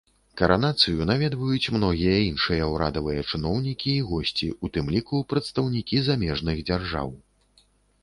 Каранацыю наведваюць многія іншыя ўрадавыя чыноўнікі і госці, у тым ліку прадстаўнікі замежных дзяржаў.